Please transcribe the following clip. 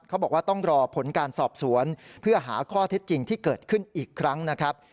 เขาบอกว่าต้องรอผลการสอบสวนเพื่อหาข้อเท็จจริงที่เกิดขึ้นอีกครั้งนะครับ